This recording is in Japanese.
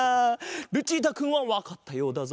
ルチータくんはわかったようだぞ。